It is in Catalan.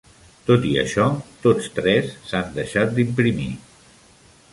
Tot i això, tots tres s"han deixat d"imprimir.